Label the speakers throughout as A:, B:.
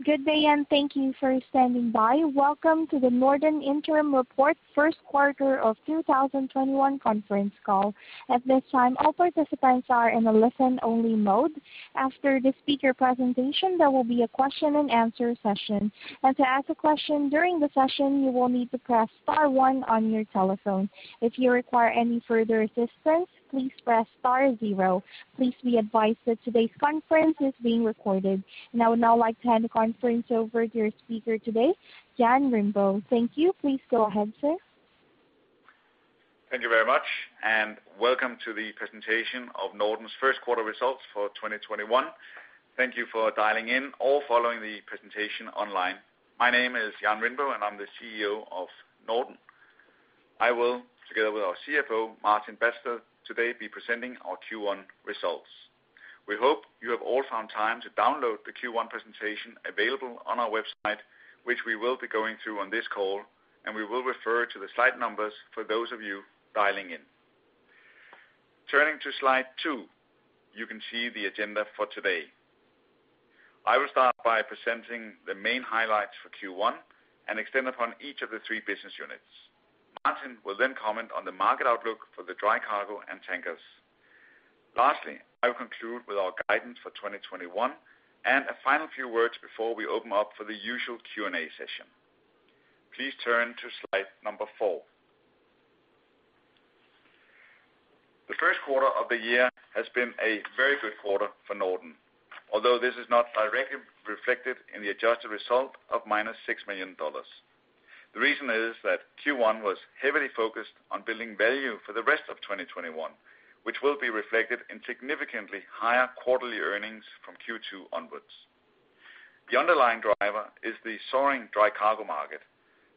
A: Welcome to the Norden Interim Report Q1 2021 Conference Call. At this time, all participants are in a listen-only mode. After the speaker presentation, there will be a question-and-answer session. As a question during the session, you will need to press star one on your telephone. If you require any further assistance, please press star zero. Please be advised that today's conference is being recorded. I would now like to hand the conference over to your speaker today, Jan Rindbo. Thank you. Please go ahead, sir.
B: Thank you very much. Welcome to the presentation of Norden's first quarter results for 2021. Thank you for dialing in or following the presentation online. My name is Jan Rindbo, and I'm the CEO of Norden. I will, together with our CFO, Martin Badsted, today be presenting our Q1 results. We hope you have all found time to download the Q1 presentation available on our website, which we will be going through on this call, and we will refer to the slide numbers for those of you dialing in. Turning to slide two, you can see the agenda for today. I will start by presenting the main highlights for Q1 and extend upon each of the three business units. Martin will comment on the market outlook for the dry cargo and tankers. Lastly, I will conclude with our guidance for 2021 and a final few words before we open up for the usual Q&A session. Please turn to slide number four. The first quarter of the year has been a very good quarter for Norden, although this is not directly reflected in the adjusted result of -$6 million. The reason is that Q1 was heavily focused on building value for the rest of 2021, which will be reflected in significantly higher quarterly earnings from Q2 onwards. The underlying driver is the soaring dry cargo market,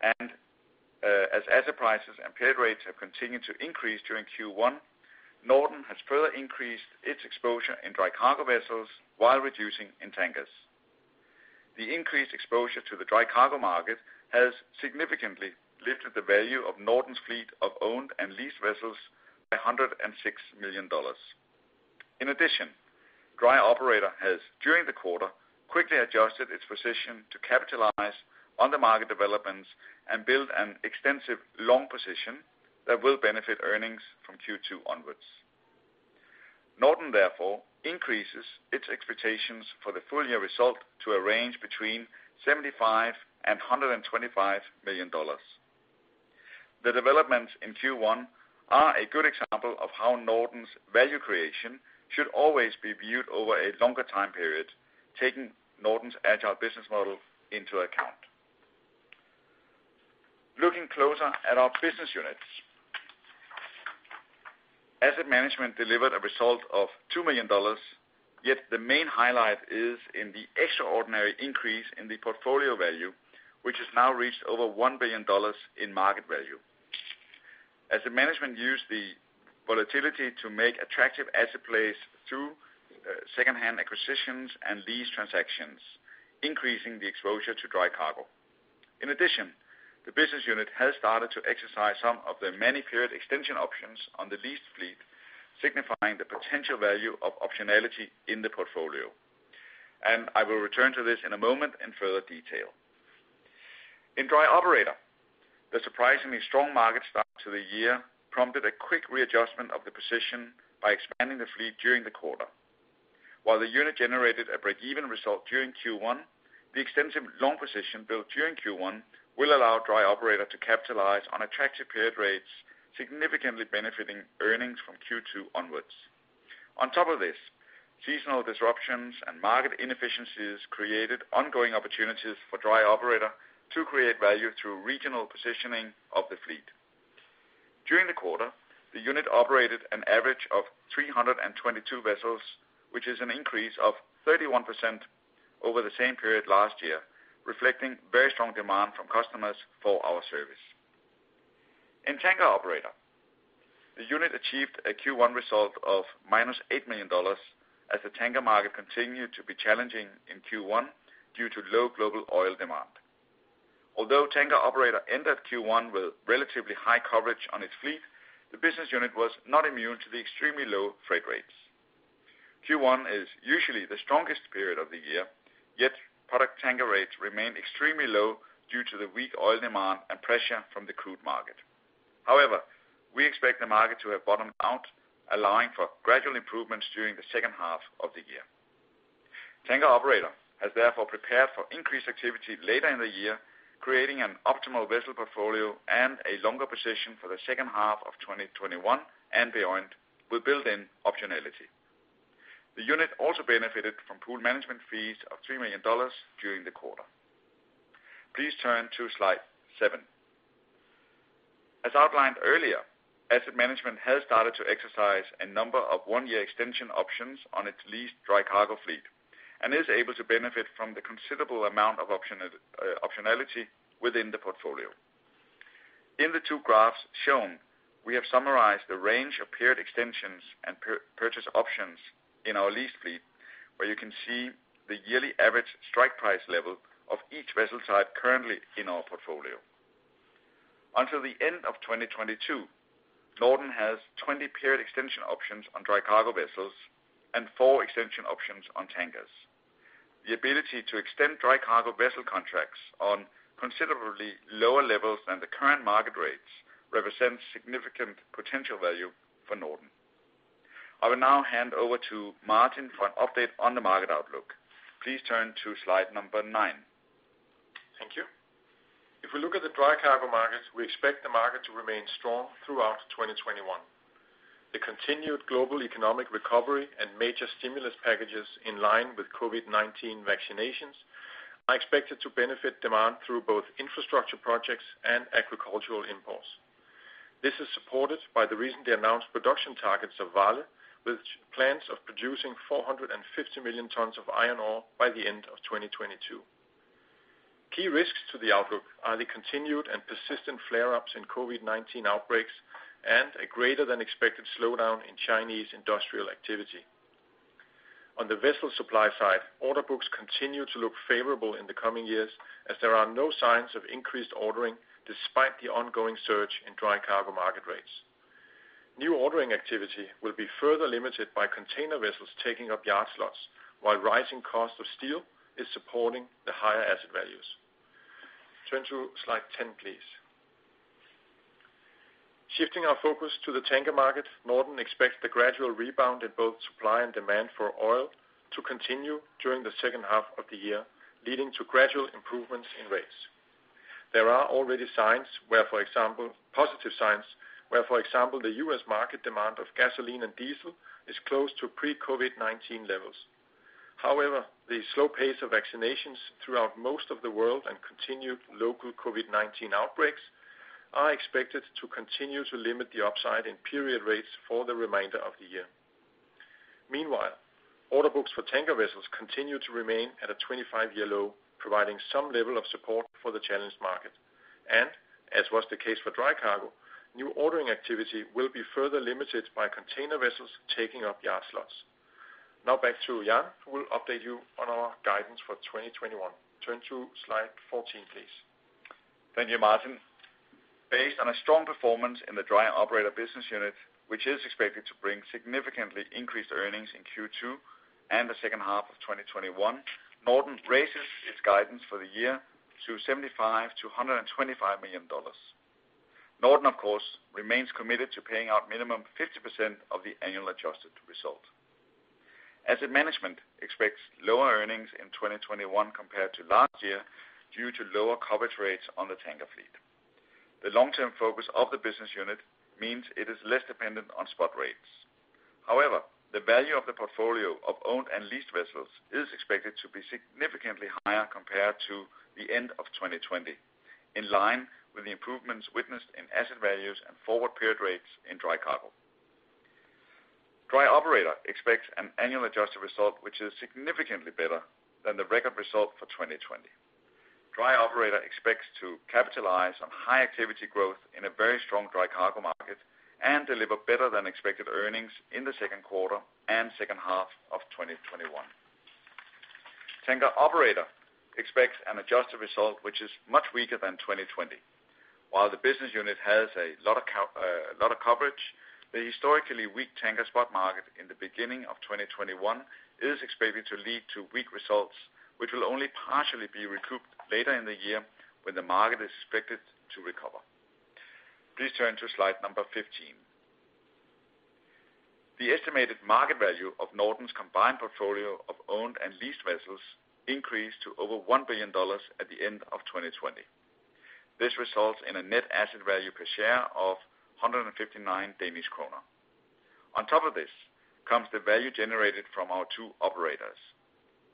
B: as asset prices and paid rates have continued to increase during Q1, Norden has further increased its exposure in dry cargo vessels while reducing in tankers. The increased exposure to the dry cargo market has significantly lifted the value of Norden's fleet of owned and leased vessels by $106 million. In addition, Dry Operator has, during the quarter, quickly adjusted its position to capitalize on the market developments and build an extensive long position that will benefit earnings from Q2 onwards. Norden therefore increases its expectations for the full year result to a range between $75 million and $125 million. The developments in Q1 are a good example of how Norden's value creation should always be viewed over a longer time period, taking Norden's agile business model into account. Looking closer at our business units. Asset Management delivered a result of $2 million, yet the main highlight is in the extraordinary increase in the portfolio value, which has now reached over $1 billion in market value. As the management used the volatility to make attractive asset plays through secondhand acquisitions and lease transactions, increasing the exposure to dry cargo. In addition, the business unit has started to exercise some of the many period extension options on the leased fleet, signifying the potential value of optionality in the portfolio. I will return to this in a moment in further detail. In Dry Operator, the surprisingly strong market start to the year prompted a quick readjustment of the position by expanding the fleet during the quarter. While the unit generated a break-even result during Q1, the extensive long position built during Q1 will allow Dry Operator to capitalize on attractive period rates, significantly benefiting earnings from Q2 onwards. On top of this, seasonal disruptions and market inefficiencies created ongoing opportunities for Dry Operator to create value through regional positioning of the fleet. During the quarter, the unit operated an average of 322 vessels, which is an increase of 31% over the same period last year, reflecting very strong demand from customers for our service. In Tanker Operator, the unit achieved a Q1 result of DKK -8 million as the tanker market continued to be challenging in Q1 due to low global oil demand. Although Tanker Operator ended Q1 with relatively high coverage on its fleet, the business unit was not immune to the extremely low freight rates. Q1 is usually the strongest period of the year, yet product tanker rates remain extremely low due to the weak oil demand and pressure from the crude market. We expect the market to have bottomed out, allowing for gradual improvements during the second half of the year. Tanker Operator has therefore prepared for increased activity later in the year, creating an optimal vessel portfolio and a long position for the second half of 2021 and beyond, with built-in optionality. The unit also benefited from pool management fees of $3 million during the quarter. Please turn to slide seven. As outlined earlier, Asset Management has started to exercise a number of one-year extension options on its leased dry cargo fleet and is able to benefit from the considerable amount of optionality within the portfolio. In the two graphs shown, we have summarized the range of period extensions and purchase options in our lease fleet, where you can see the yearly average strike price level of each vessel type currently in our portfolio. Until the end of 2022, Norden has 20 period extension options on dry cargo vessels and four extension options on tankers. The ability to extend dry cargo vessel contracts on considerably lower levels than the current market rates represents significant potential value for Norden. I will now hand over to Martin for an update on the market outlook. Please turn to slide number nine.
C: Thank you. If we look at the dry cargo markets, we expect the market to remain strong throughout 2021. The continued global economic recovery and major stimulus packages in line with COVID-19 vaccinations are expected to benefit demand through both infrastructure projects and agricultural imports. This is supported by the recently announced production targets of Vale, with plans of producing 450 million tons of iron ore by the end of 2022. Key risks to the outlook are the continued and persistent flare-ups in COVID-19 outbreaks and a greater than expected slowdown in Chinese industrial activity. On the vessel supply side, order books continue to look favorable in the coming years as there are no signs of increased ordering despite the ongoing surge in dry cargo market rates. New ordering activity will be further limited by container vessels taking up yard slots, while rising cost of steel is supporting the higher asset values. Turn to slide 10, please. Shifting our focus to the tanker market, Norden expects the gradual rebound in both supply and demand for oil to continue during the second half of the year, leading to gradual improvements in rates. There are already positive signs where, for example, the U.S. market demand of gasoline and diesel is close to pre-COVID-19 levels. However, the slow pace of vaccinations throughout most of the world and continued local COVID-19 outbreaks are expected to continue to limit the upside in period rates for the remainder of the year. Meanwhile, order books for tanker vessels continue to remain at a 25-year low, providing some level of support for the challenged market. As was the case for dry cargo, new ordering activity will be further limited by container vessels taking up yard slots. Back to Jan, who will update you on our guidance for 2021. Turn to slide 14, please.
B: Thank you, Martin. Based on a strong performance in the Dry Operator business unit, which is expected to bring significantly increased earnings in Q2 and the second half of 2021, Norden raises its guidance for the year to $75 million-$125 million. Norden, of course, remains committed to paying out minimum 50% of the annual adjusted result. Asset Management expects lower earnings in 2021 compared to last year due to lower coverage rates on the tanker fleet. The long-term focus of the business unit means it is less dependent on spot rates. However, the value of the portfolio of owned and leased vessels is expected to be significantly higher compared to the end of 2020, in line with the improvements witnessed in asset values and forward period rates in dry cargo. Dry Operator expects an annual adjusted result which is significantly better than the record result for 2020. Dry Operator expects to capitalize on high activity growth in a very strong dry cargo market and deliver better than expected earnings in Q2 and second half of 2021. Tanker Operator expects an adjusted result which is much weaker than 2020. While the business unit has a lot of coverage, the historically weak tanker spot market in the beginning of 2021 is expected to lead to weak results, which will only partially be recouped later in the year when the market is expected to recover. Please turn to slide number 15. The estimated market value of Norden's combined portfolio of owned and leased vessels increased to over $1 billion at the end of 2020. This results in a Net Asset Value per share of 159 Danish kroner. On top of this comes the value generated from our two operators.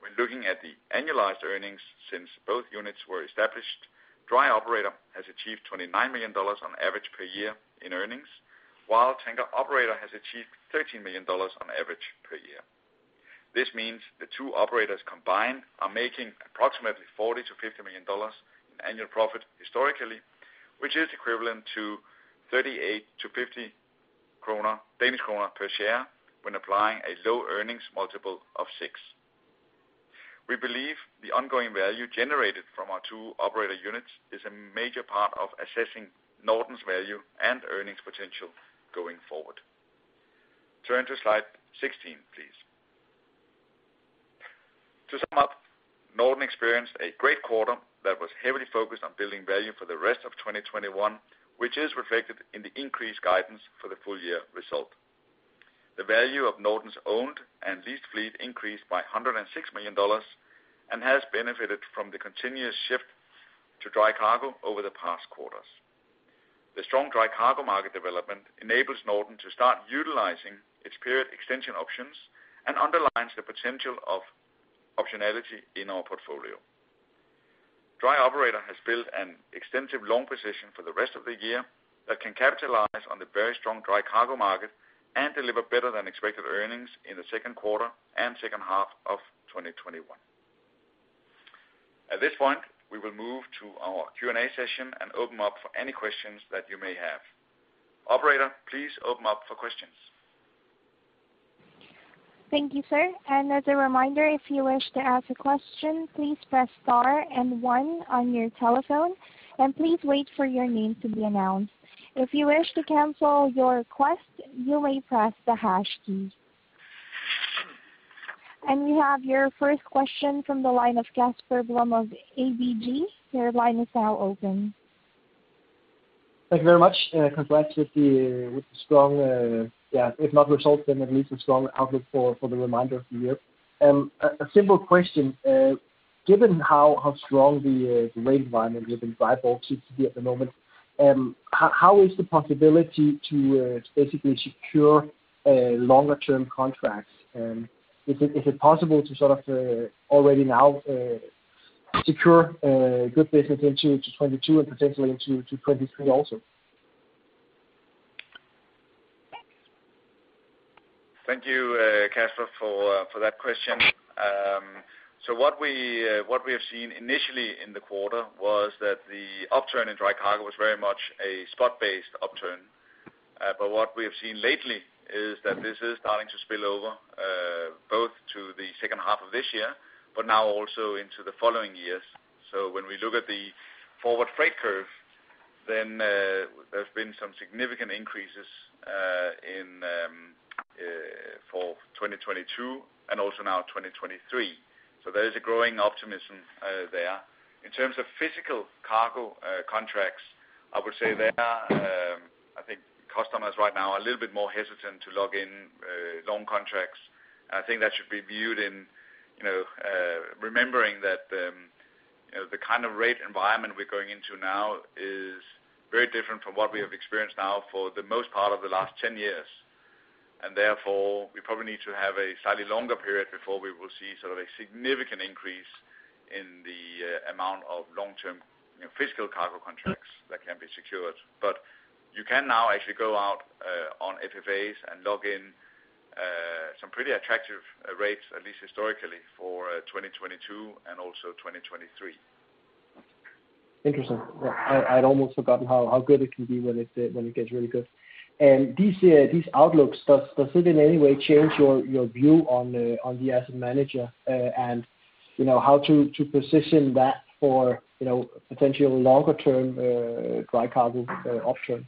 B: When looking at the annualized earnings since both units were established, Dry Operator has achieved $29 million on average per year in earnings, while Tanker Operator has achieved $13 million on average per year. This means the two operators combined are making approximately $40 million-$50 million in annual profit historically, which is equivalent to 38-50 kroner per share when applying a low earnings multiple of six. We believe the ongoing value generated from our two operator units is a major part of assessing Norden's value and earnings potential going forward. Turn to slide 16, please. To sum up, Norden experienced a great quarter that was heavily focused on building value for the rest of 2021, which is reflected in the increased guidance for the full year result. The value of Norden's owned and leased fleet increased by $106 million and has benefited from the continuous shift to dry cargo over the past quarters. The strong dry cargo market development enables Norden to start utilizing its period extension options and underlines the potential of optionality in our portfolio. Dry Operator has built an extensive long position for the rest of the year that can capitalize on the very strong dry cargo market and deliver better than expected earnings in the second quarter and second half of 2021. At this point, we will move to our Q&A session and open up for any questions that you may have. Operator, please open up for questions
A: Thank you, sir. As a reminder, if you wish to ask a question, please press star and one on your telephone, and please wait for your name to be announced. If you wish to cancel your request, you may press the hash key. We have your first question from the line of Casper Blom of ABG. Your line is now open.
D: Thank you very much. Congrats with the strong, if not results, then at least a strong outlook for the remainder of the year. A simple question. Given how strong the rate environment is in dry bulk seems to be at the moment, how is the possibility to basically secure longer-term contracts? Is it possible to sort of already now secure good business into 2022 and potentially into 2023 also?
B: Thank you, Casper, for that question. What we have seen initially in the quarter was that the upturn in dry cargo was very much a spot-based upturn. What we have seen lately is that this is starting to spill over, both to the second half of this year, but now also into the following years. When we look at the forward freight curve, then there's been some significant increases for 2022 and also now 2023. There is a growing optimism there. In terms of physical cargo contracts, I would say there, I think customers right now are a little bit more hesitant to lock in long contracts. I think that should be viewed in remembering that the kind of rate environment we're going into now is very different from what we have experienced now for the most part of the last 10 years. Therefore, we probably need to have a slightly longer period before we will see sort of a significant increase in the amount of long-term physical cargo contracts that can be secured. You can now actually go out on FFAs and lock in some pretty attractive rates, at least historically, for 2022 and also 2023.
D: Interesting. I'd almost forgotten how good it can be when it gets really good. These outlooks, does it in any way change your view on the asset manager, and how to position that for potential longer-term dry cargo option?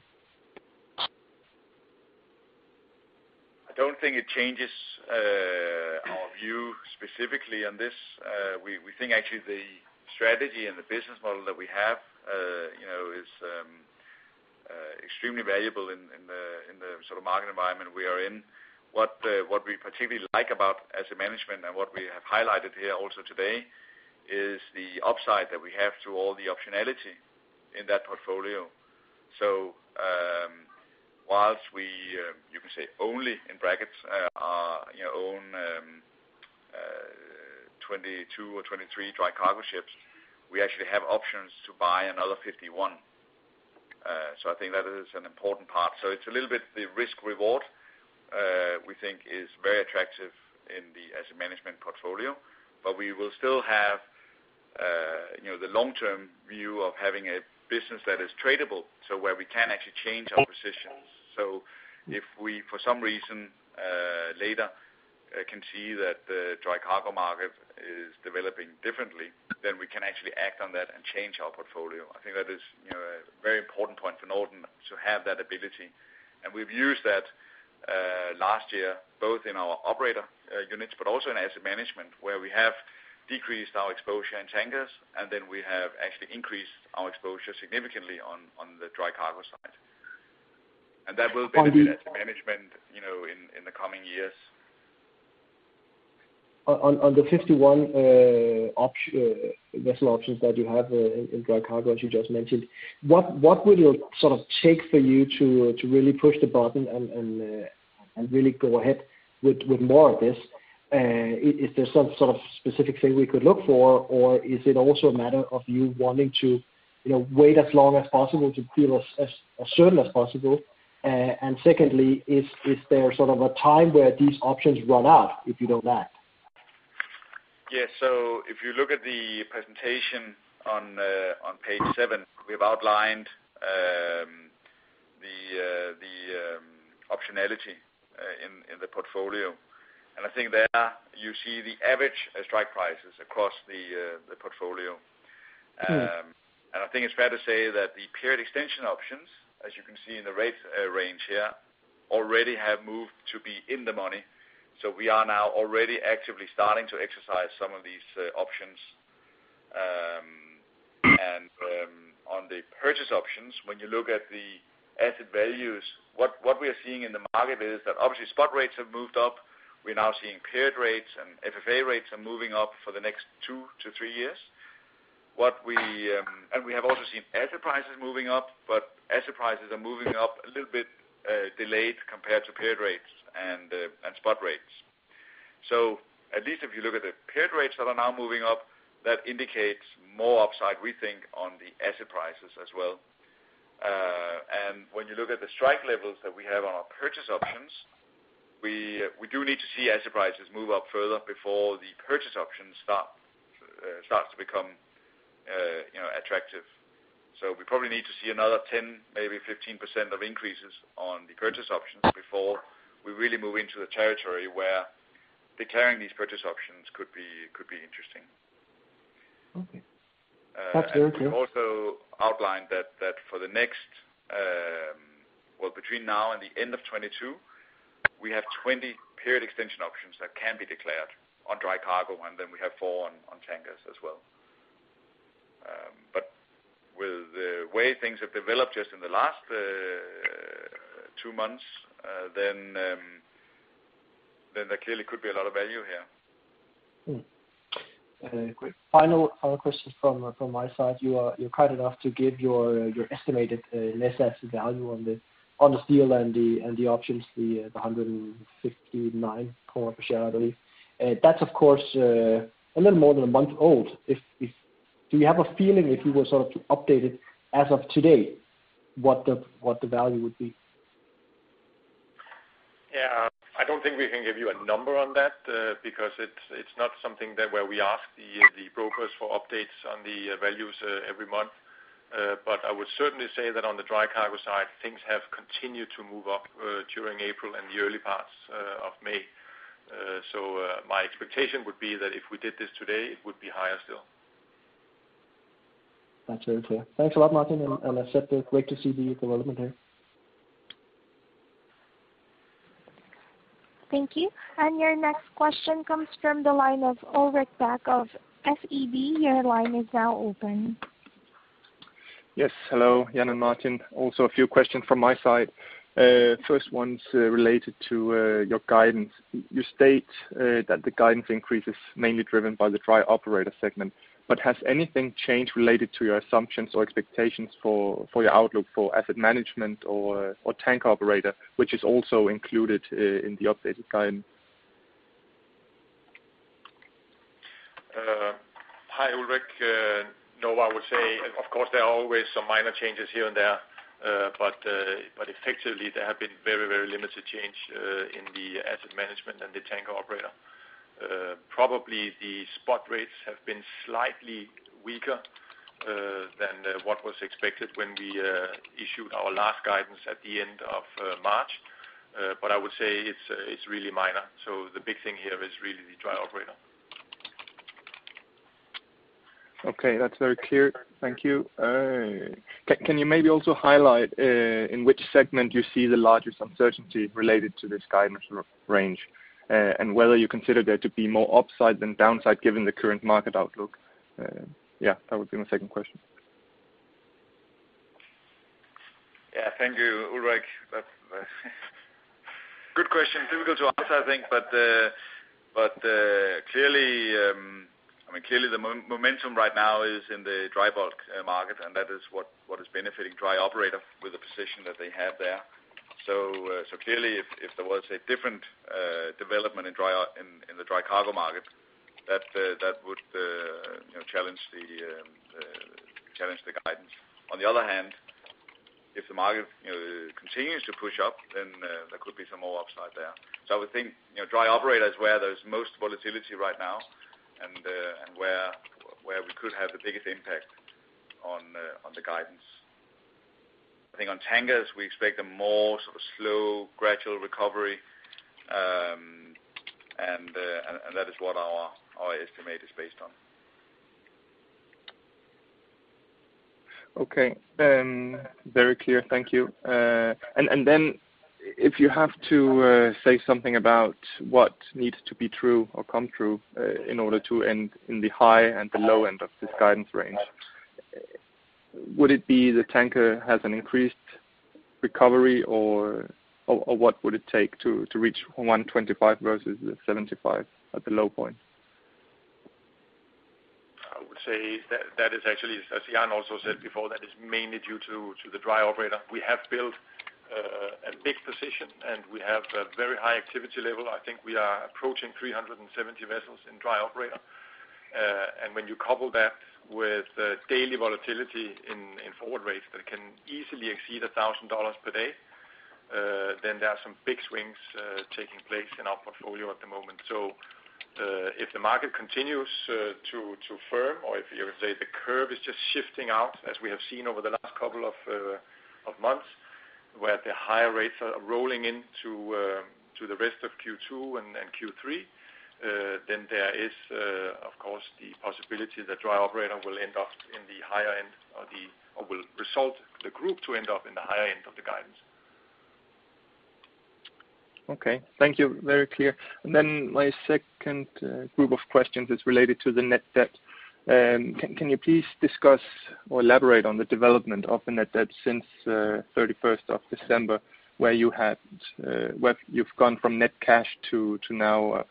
B: I don't think it changes our view specifically on this. We think actually the strategy and the business model that we have is extremely valuable in the sort of market environment we are in. What we particularly like about Asset Management and what we have highlighted here also today is the upside that we have to all the optionality in that portfolio. Whilst we, you can say, only in brackets, own 22 or 23 dry cargo ships, we actually have options to buy another 51. I think that is an important part. It's a little bit the risk reward, we think is very attractive in the Asset Management portfolio, but we will still have the long-term view of having a business that is tradable, so where we can actually change our positions. If we, for some reason, later can see that the dry cargo market is developing differently, then we can actually act on that and change our portfolio. I think that is a very important point for Norden to have that ability. We've used that last year, both in our operator units, but also in Asset Management where we have decreased our exposure in tankers, and then we have actually increased our exposure significantly on the dry cargo side. That will benefit Asset Management in the coming years.
D: On the 51 vessel options that you have in dry cargo, as you just mentioned, what would it sort of take for you to really push the button and really go ahead with more of this? Is there some sort of specific thing we could look for, or is it also a matter of you wanting to wait as long as possible to feel as certain as possible? Secondly, is there sort of a time where these options run out, if you know that?
B: Yes. If you look at the presentation on page seven, we've outlined the optionality in the portfolio. I think there you see the average strike prices across the portfolio. I think it's fair to say that the period extension options, as you can see in the rate range here, already have moved to be in the money. We are now already actively starting to exercise some of these options. On the purchase options, when you look at the asset values, what we are seeing in the market is that obviously spot rates have moved up. We are now seeing period rates and FFA rates are moving up for the next two to three years. We have also seen asset prices moving up, but asset prices are moving up a little bit delayed compared to period rates and spot rates. At least if you look at the period rates that are now moving up, that indicates more upside, we think, on the asset prices as well. When you look at the strike levels that we have on our purchase options, we do need to see asset prices move up further before the purchase options start to become.
C: Attractive. We probably need to see another 10, maybe 15% of increases on the purchase options before we really move into the territory where declaring these purchase options could be interesting.
D: Okay. That's very clear.
C: We also outlined that for between now and the end of 2022, we have 20 period extension options that can be declared on dry cargo, and then we have four on tankers as well. With the way things have developed just in the last two months, then there clearly could be a lot of value here.
D: A quick final follow-up question from my side. You're kind enough to give your estimated Net Asset Value on the steel and the options, the 159 per share, I believe. That's of course, a little more than a month old. Do you have a feeling if you were to update it as of today, what the value would be?
C: I don't think we can give you a number on that, because it's not something that where we ask the brokers for updates on the values every month. I would certainly say that on the dry cargo side, things have continued to move up during April and the early parts of May. My expectation would be that if we did this today, it would be higher still.
D: That's very clear. Thanks a lot, Martin and assetco. Great to see the development here.
A: Thank you. Your next question comes from the line of Ulrik Bak of SEB. Your line is now open.
E: Yes. Hello, Jan and Martin. Also a few questions from my side. First one's related to your guidance. You state that the guidance increase is mainly driven by the Dry Operator segment. Has anything changed related to your assumptions or expectations for your outlook for Asset Management or Tanker Operator, which is also included in the updated guidance?
C: Hi, Ulrik. No, I would say, of course, there are always some minor changes here and there. Effectively, there have been very limited change in the Asset Management and the Tanker Operator. Probably the spot rates have been slightly weaker than what was expected when we issued our last guidance at the end of March. I would say it's really minor. The big thing here is really the Dry Operator.
E: Okay, that's very clear. Thank you. Can you maybe also highlight in which segment you see the largest uncertainty related to this guidance range? Whether you consider there to be more upside than downside given the current market outlook? Yeah, that would be my second question.
C: Yeah, thank you, Ulrik. Good question. Difficult to answer, I think. Clearly the momentum right now is in the dry bulk market. That is what is benefiting Dry Operator with the position that they have there. On the other hand, if the market continues to push up, there could be some more upside there. I would think, Dry Operator is where there's most volatility right now and where we could have the biggest impact on the guidance. I think on Tanker Operator, we expect a more slow, gradual recovery. That is what our estimate is based on.
E: Okay. Very clear. Thank you. If you have to say something about what needs to be true or come true in order to end in the high and the low end of this guidance range, would it be the tanker has an increased recovery or what would it take to reach 125 versus the 75 at the low point?
C: I would say that is actually, as Jan also said before, that is mainly due to the Dry Operator. We have built a big position, we have a very high activity level. I think we are approaching 370 vessels in Dry Operator. When you couple that with daily volatility in forward rates that can easily exceed $1,000 per day, there are some big swings taking place in our portfolio at the moment. If the market continues to firm, or if you say the curve is just shifting out, as we have seen over the last couple of months, where the higher rates are rolling into the rest of Q2 and Q3, there is, of course, the possibility the Dry Operator will end up in the higher end or will result the group to end up in the higher end of the guidance.
E: Okay. Thank you. Very clear. My second group of questions is related to the net debt. Can you please discuss or elaborate on the development of the net debt since 31st of December, where you've gone from net cash to now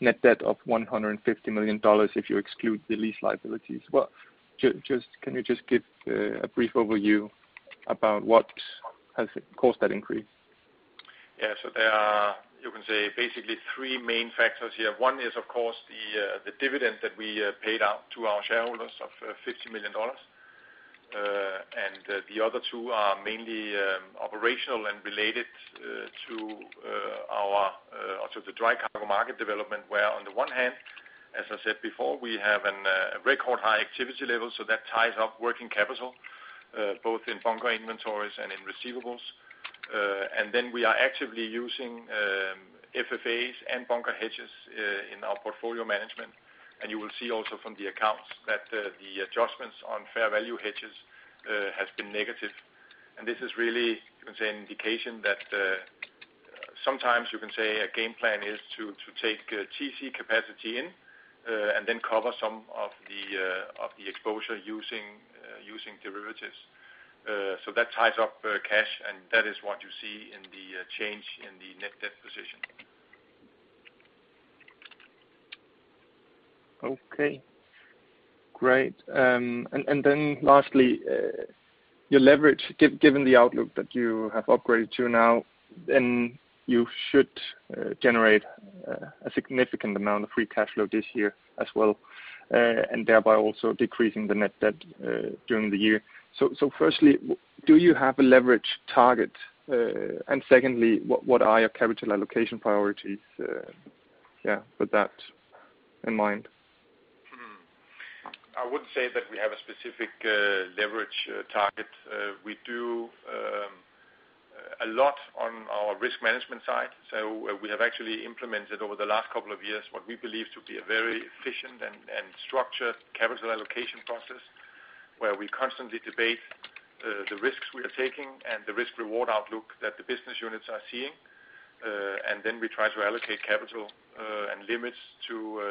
E: net debt of $150 million, if you exclude the lease liabilities? Can you just give a brief overview about what has caused that increase?
C: There are, you can say basically three main factors here. One is, of course, the dividend that we paid out to our shareholders of $50 million. The other two are mainly operational and related to the dry cargo market development, where on the one hand, as I said before, we have a record high activity level, so that ties up working capital both in bunker inventories and in receivables. We are actively using FFAs and bunker hedges in our portfolio management. You will see also from the accounts that the adjustments on fair value hedges has been negative. This is really, you can say, an indication that sometimes you can say a game plan is to take TC capacity in, and then cover some of the exposure using derivatives. That ties up cash, and that is what you see in the change in the net debt position.
E: Okay. Great. Then lastly, your leverage, given the outlook that you have upgraded to now, then you should generate a significant amount of free cash flow this year as well, and thereby also decreasing the net debt during the year. Firstly, do you have a leverage target? Secondly, what are your capital allocation priorities, yeah, with that in mind?
C: I wouldn't say that we have a specific leverage target. We do a lot on our risk management side. We have actually implemented over the last couple of years, what we believe to be a very efficient and structured capital allocation process, where we constantly debate the risks we are taking and the risk-reward outlook that the business units are seeing. We try to allocate capital and limits to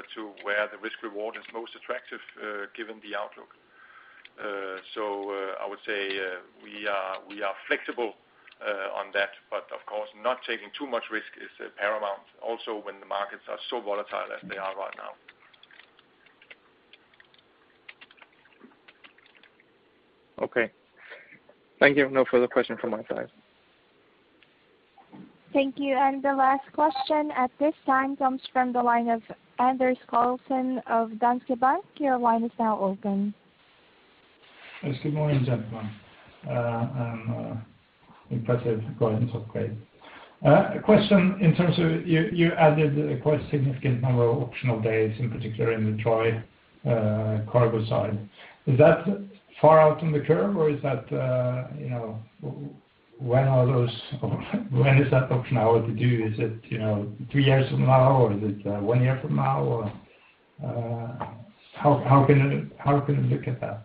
C: where the risk-reward is most attractive, given the outlook. I would say we are flexible on that, but of course, not taking too much risk is paramount also when the markets are so volatile as they are right now.
E: Okay. Thank you. No further question from my side.
A: Thank you. The last question at this time comes from the line of Anders Karlsen of Danske Bank. Your line is now open.
F: Yes. Good morning, gentlemen. Impressive guidance upgrade. A question in terms of you added a quite significant number of optional days, in particular in the dry cargo side. Is that far out in the curve, or when is that optionality due? Is it two years from now or is it one year from now, or how can we look at that?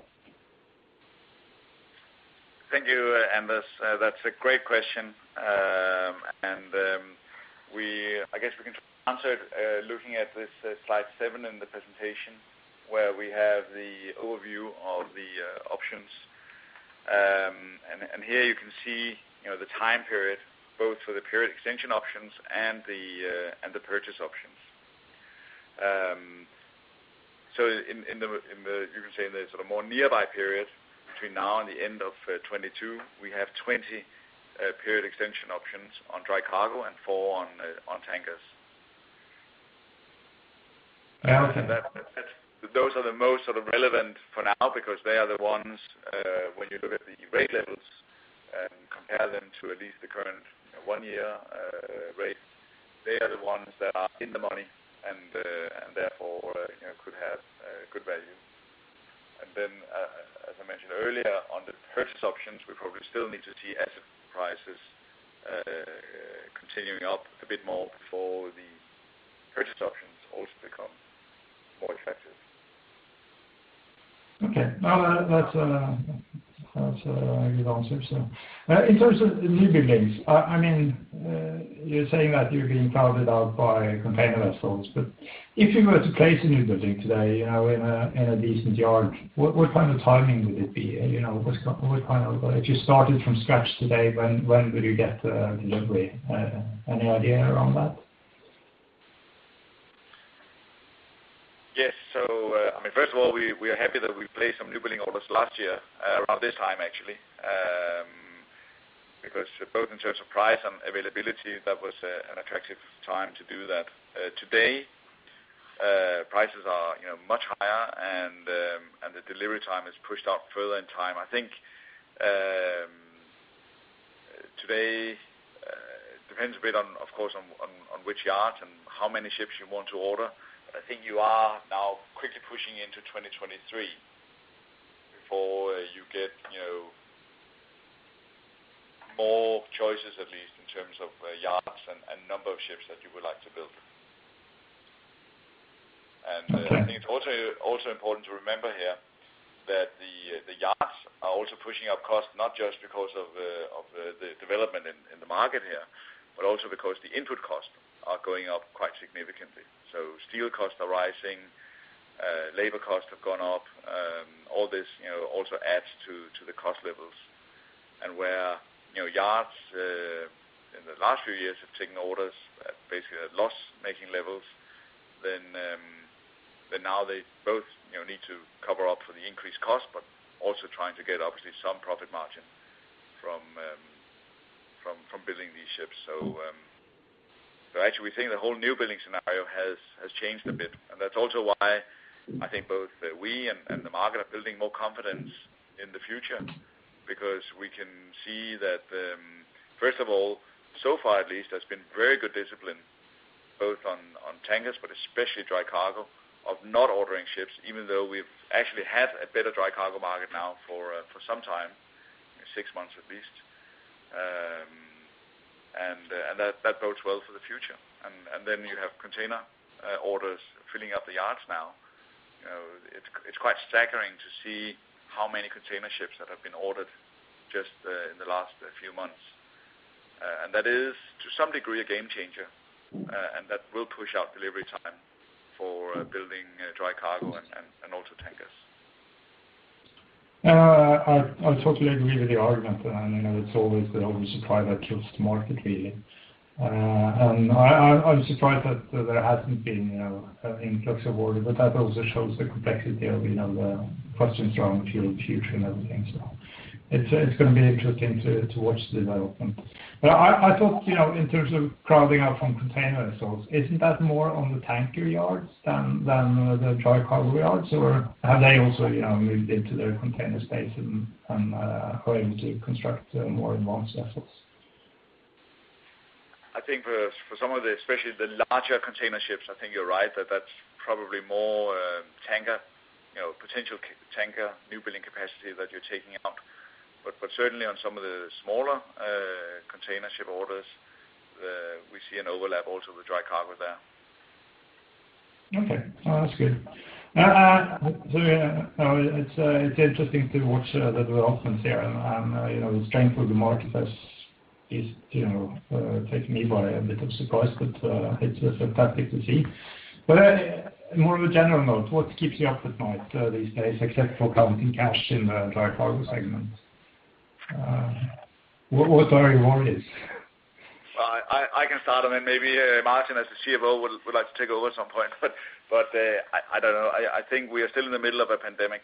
C: Thank you, Anders. That's a great question. I guess we can answer it looking at this slide seven in the presentation where we have the overview of the options. Here you can see the time period, both for the period extension options and the purchase options. You can say in the sort of more nearby period between now and the end of 2022, we have 20 period extension options on dry cargo and four on tankers.
F: Okay.
C: Those are the most sort of relevant for now because they are the ones, when you look at the rate levels and compare them to at least the current one year rate, they are the ones that are in the money and therefore could have good value. As I mentioned earlier, on the purchase options, we probably still need to see asset prices continuing up a bit more before the purchase options also become more attractive.
F: Okay. No, that's a good answer. In terms of newbuildings, you're saying that you're being crowded out by container vessels, but if you were to place a newbuilding today in a decent yard, what kind of timing would it be? If you started from scratch today, when would you get delivery? Any idea around that?
C: Yes. First of all, we are happy that we placed some newbuilding orders last year around this time actually, because both in terms of price and availability, that was an attractive time to do that. Today prices are much higher and the delivery time is pushed out further in time. I think today, depends a bit on, of course, on which yard and how many ships you want to order. I think you are now quickly pushing into 2023 before you get more choices, at least in terms of yards and number of ships that you would like to build.
F: Okay.
C: I think it's also important to remember here that the yards are also pushing up cost, not just because of the development in the market here, but also because the input costs are going up quite significantly. Steel costs are rising, labor costs have gone up. All this also adds to the cost levels. Where yards in the last few years have taken orders at basically at loss-making levels, now they both need to cover up for the increased cost, but also trying to get obviously some profit margin from
B: ships. Actually we think the whole new building scenario has changed a bit. That's also why I think both we and the market are building more confidence in the future because we can see that, first of all, so far at least, there's been very good discipline both on tankers but especially dry cargo of not ordering ships, even though we've actually had a better dry cargo market now for some time, six months at least. That bodes well for the future. You have container orders filling up the yards now. It's quite staggering to see how many container ships that have been ordered just in the last few months. That is to some degree a game changer, and that will push out delivery time for building dry cargo and also tankers.
F: I totally agree with the argument. It's always the oversupply that kills the market really. I'm surprised that there hasn't been an influx of order, but that also shows the complexity of the questions around fuel future and everything. It's going to be interesting to watch the development. I thought in terms of crowding out from container source, isn't that more on the tanker yards than the dry cargo yards? Have they also moved into the container space and are going to construct more advanced vessels?
B: I think for some of especially the larger container ships, I think you're right that that's probably more potential tanker new building capacity that you're taking up. Certainly on some of the smaller container ship orders, we see an overlap also with dry cargo there.
F: Okay. That's good. It's interesting to watch the developments here and the strength of the market has taken me by a bit of surprise, but it's fantastic to see. On more of a general note, what keeps you up at night these days except for counting cash in the dry cargo segment? What are your worries?
B: I can start and then maybe Martin as the CFO would like to take over at some point. I don't know. I think we are still in the middle of a pandemic.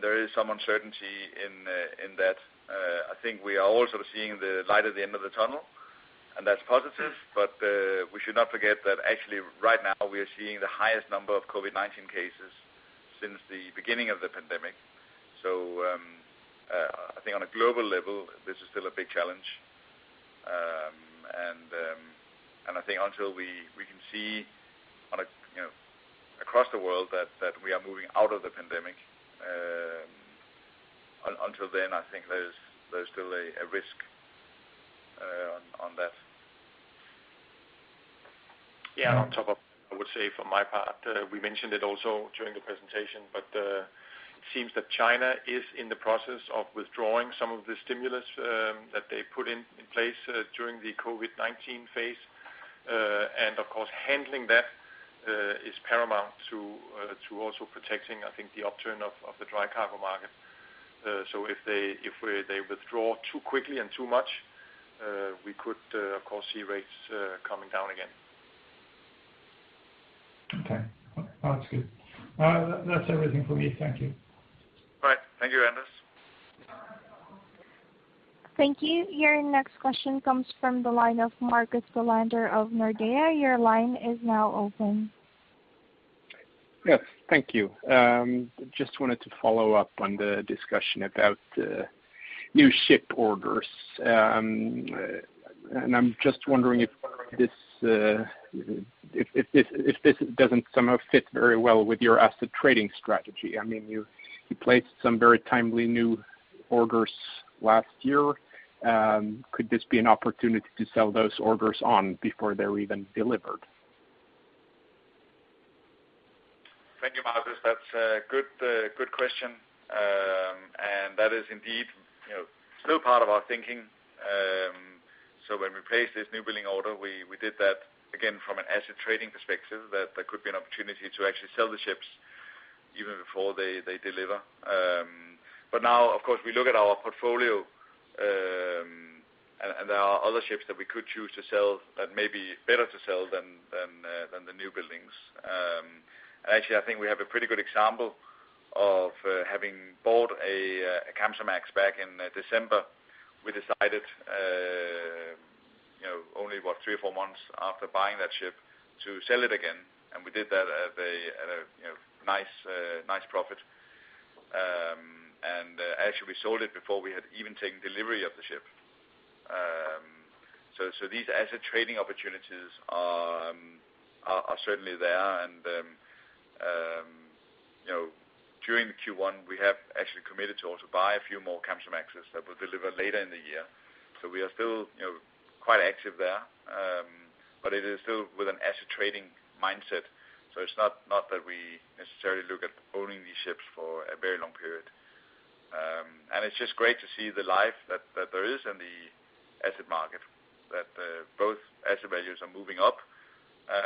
B: There is some uncertainty in that. I think we are also seeing the light at the end of the tunnel, and that's positive, but we should not forget that actually right now we are seeing the highest number of COVID-19 cases since the beginning of the pandemic. I think on a global level, this is still a big challenge. I think until we can see across the world that we are moving out of the pandemic, until then I think there's still a risk on that.
C: Yeah, on top of that I would say for my part, we mentioned it also during the presentation, but it seems that China is in the process of withdrawing some of the stimulus that they put in place during the COVID-19 phase. Of course, handling that is paramount to also protecting I think the upturn of the dry cargo market. If they withdraw too quickly and too much, we could of course see rates coming down again.
F: Okay. That's good. That's everything from me. Thank you.
B: All right. Thank you, Anders.
A: Thank you. Your next question comes from the line of Marcus Ballander of Nordea. Your line is now open.
G: Yes. Thank you. Just wanted to follow up on the discussion about new ship orders. I'm just wondering if this doesn't somehow fit very well with your asset trading strategy. You placed some very timely new orders last year. Could this be an opportunity to sell those orders on before they're even delivered?
B: Thank you, Marcus. That's a good question. That is indeed still part of our thinking. When we placed this new building order, we did that again from an asset trading perspective, that there could be an opportunity to actually sell the ships even before they deliver. Now, of course, we look at our portfolio, and there are other ships that we could choose to sell that may be better to sell than the new buildings. Actually I think we have a pretty good example of having bought a Kamsarmax back in December. We decided only what, three or four months after buying that ship to sell it again. We did that at a nice profit. Actually we sold it before we had even taken delivery of the ship. These asset trading opportunities are certainly there and during Q1 we have actually committed to also buy a few more Kamsarmaxes that will deliver later in the year. We are still quite active there. It is still with an asset trading mindset, so it's not that we necessarily look at owning these ships for a very long period. It's just great to see the life that there is in the asset market, that both asset values are moving up,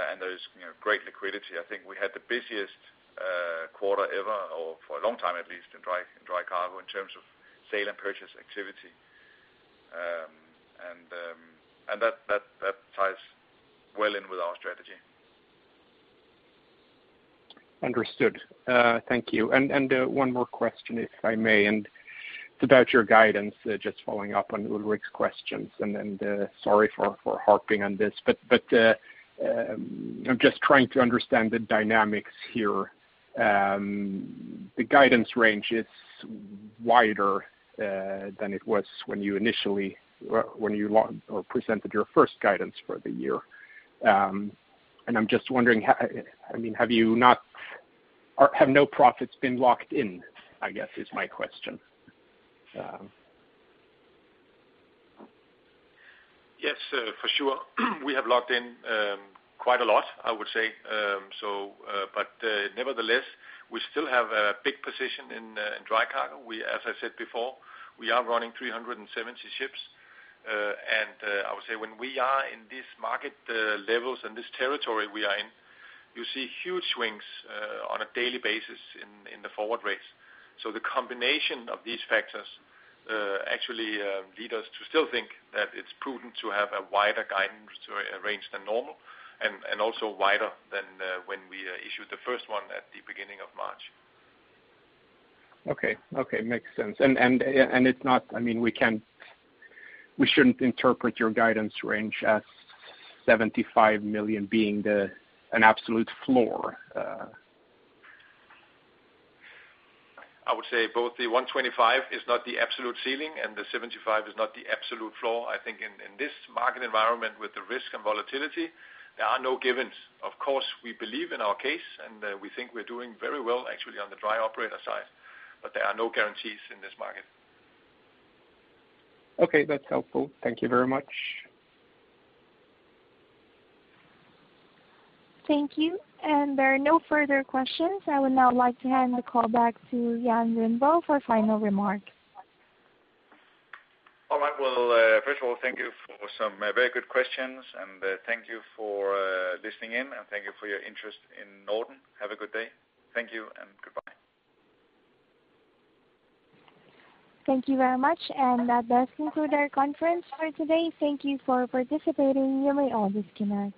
B: and there is great liquidity. I think we had the busiest quarter ever or for a long time at least in dry cargo in terms of sale and purchase activity. That ties well in with our strategy.
G: Understood. Thank you. One more question, if I may, and it's about your guidance, just following up on Ulrik's questions. Sorry for harping on this, but I'm just trying to understand the dynamics here. The guidance range is wider than it was when you presented your first guidance for the year. I'm just wondering, have no profits been locked in, I guess is my question.
C: Yes, for sure. We have locked in quite a lot, I would say. Nevertheless, we still have a big position in dry cargo. As I said before, we are running 370 ships. I would say when we are in these market levels and this territory we are in, you see huge swings on a daily basis in the forward rates. The combination of these factors actually lead us to still think that it's prudent to have a wider guidance range than normal, and also wider than when we issued the first one at the beginning of March.
G: Okay. Makes sense. We shouldn't interpret your guidance range as $75 million being an absolute floor.
C: I would say both the 125 is not the absolute ceiling and the $75 million is not the absolute floor. I think in this market environment with the risk and volatility, there are no givens. Of course, we believe in our case, and we think we're doing very well actually on the Dry Operator side, but there are no guarantees in this market.
G: Okay. That's helpful. Thank you very much.
A: Thank you. There are no further questions. I would now like to hand the call back to Jan Rindbo for final remarks.
B: All right. Well, first of all, thank you for some very good questions, and thank you for listening in, and thank you for your interest in Norden. Have a good day. Thank you and goodbye.
A: Thank you very much. That does conclude our conference for today. Thank you for participating. You may all disconnect.